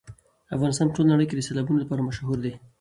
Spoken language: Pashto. افغانستان په ټوله نړۍ کې د سیلابونو لپاره مشهور دی.